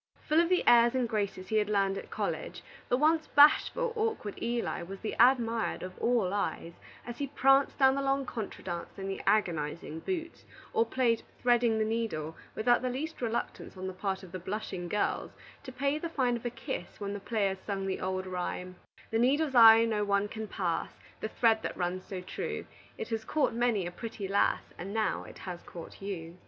Full of the airs and graces he had learned at college, the once bashful, awkward Eli was the admired of all eyes, as he pranced down the long contra dance in the agonizing boots, or played "threading the needle" without the least reluctance on the part of the blushing girls to pay the fine of a kiss when the players sung the old rhyme: "The needle's eye no one can pass; The thread that runs so true It has caught many a pretty lass, And now it has caught you."